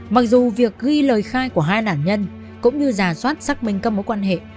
mặc dù việc ghi lời khai của hai nạn nhân cũng như giả soát xác minh các mối quan hệ